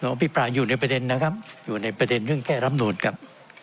อภิปรายอยู่ในประเด็นนะครับอยู่ในประเด็นเรื่องแก้รำนูนครับ